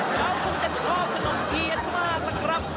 เขาคงจะชอบขนมเทียนมากนะครับ